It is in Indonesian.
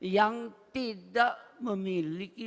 yang tidak memiliki